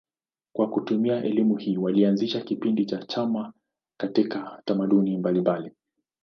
Kwa kutumia elimu hii walianzisha kipindi cha zama za chuma katika tamaduni mbalimbali.